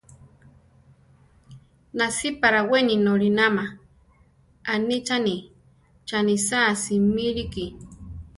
Nasípa rawéni nolínama, anicháni; chanísa simíliki.